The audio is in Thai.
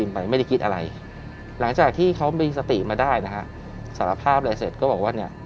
มาได้นะคะสารภาพอะไรเสร็จก็บอกว่าเนี้ย